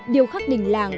điêu khắc đình làng